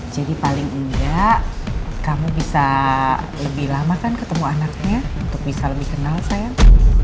jadi paling enggak kamu bisa lebih lama kan ketemu anaknya untuk bisa lebih kenal sayang